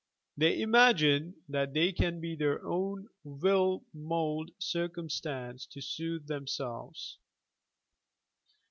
They imagine that they can by their own will mould circumstances to suit themselves.